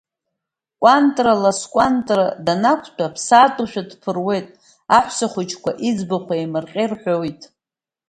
КәантраЛаскәантра данақәтәа ԥсаатәшәа дԥыруеит, аҳәсахәыҷқәа иӡбахә еимырҟьа ирҳәоит…